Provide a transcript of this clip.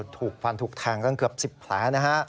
ถูกฟันถูกแทงกันเกือบ๑๐แผลนะฮะ